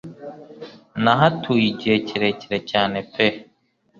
Nahatuye igihe kirekire cyane pe